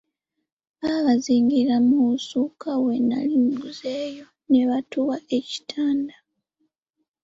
Baabazingirira mu busuuka bwe nali nguzeeyo, ne batuwa ekitanda.